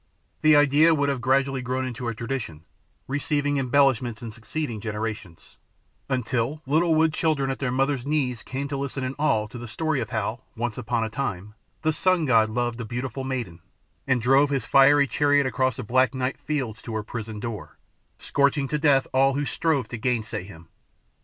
The idea would have gradually grown into a tradition, receiving embellishments in succeeding generations, until little wood children at their mother's knees came to listen in awe to the story of how, once upon a time, the Sun god loved a beautiful maiden, and drove his fiery chariot across the black night fields to her prison door, scorching to death all who strove to gainsay him.